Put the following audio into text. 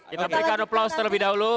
kita berikan aplaus terlebih dahulu